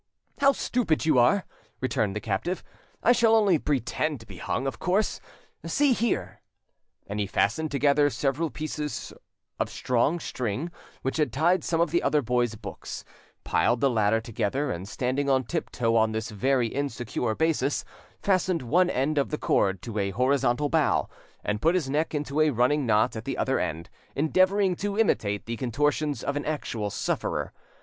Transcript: "How stupid you are!" returned the captive. "I shall only pretend to be hung, of course. See here!" and he fastened together several pieces strong string which had tied some of the other boys' books, piled the latter together, and standing on tiptoe on this very insecure basis, fastened one end of the cord to a horizontal bough, and put his neck into a running knot at the other end, endeavouring to imitate the contortions of an actual sufferer.